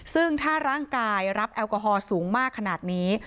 ซึ่งถ้าร่างกายรับแอลกอฮอลสูงมากขนาดนี้